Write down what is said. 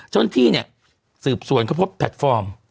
จนที่สืบสวนเขาพบแพลตฟอร์ม